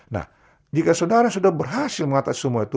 nah jika saudara sudah berhasil mengatasi semua itu